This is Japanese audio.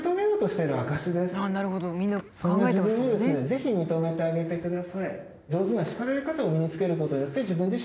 ぜひ認めてあげてください。